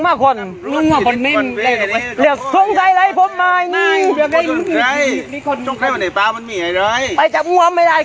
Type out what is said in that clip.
หัวเกล็ดมีหัวทาง